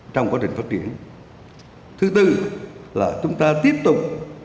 trong quá trình phát triển thứ tư là chúng ta tiếp tục